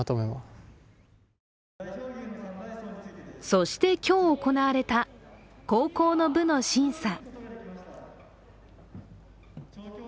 そして今日行われた、高校の部の審査。